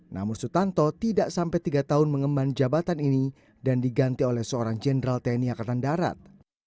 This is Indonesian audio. namun sutanto tidak sampai tiga tahun mengemban jabatan ini dan diganti oleh seorang jenderal tni akatan darat